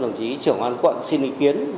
đồng chí trưởng an quận xin ý kiến